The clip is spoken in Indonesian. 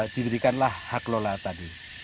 diberikanlah hak lola tadi